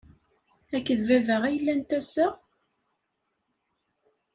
Akked baba ay llant ass-a?